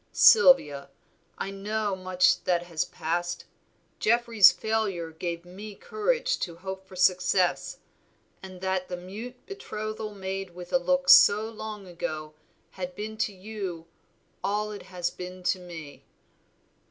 Sylvia, I know much that has passed. Geoffrey's failure gave me courage to hope for success, and that the mute betrothal made with a look so long ago had been to you all it has been to me."